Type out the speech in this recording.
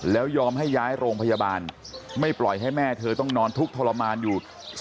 แล้วยอมให้ย้ายโรงพยาบาลไม่ปล่อยให้แม่เธอต้องนอนทุกข์ทรมานอยู่